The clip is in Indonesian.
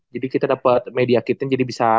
jadi kita dapet media kitnya jadi bisa